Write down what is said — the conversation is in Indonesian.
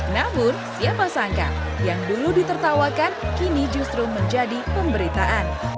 namun siapa sangka yang dulu ditertawakan kini justru menjadi pemberitaan